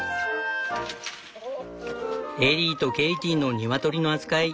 エリーとケイティのニワトリの扱い